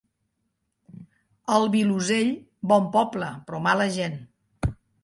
El Vilosell, bon poble però mala gent.